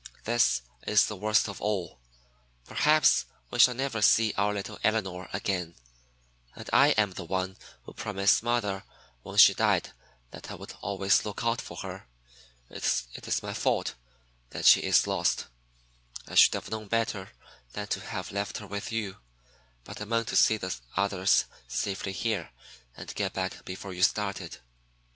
This is the worst of all. Perhaps we shall never see our little Elinor again; and I am the one who promised mother when she died that I would always look out for her. It is my fault that she is lost. I should have known better than to have left her with you, but I meant to see the others safely here, and get back before you started.